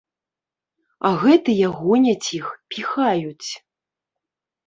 А гэтыя гоняць іх, піхаюць.